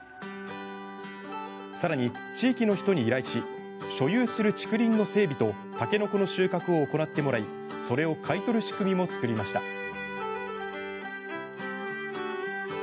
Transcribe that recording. さらに地域の人に依頼し所有する竹林の整備とタケノコの収穫を行ってもらいそれを買い取る仕組みも作りました。